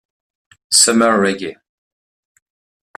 Summer Reggae!